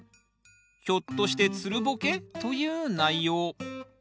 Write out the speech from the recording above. ひょっとしてつるボケ？という内容。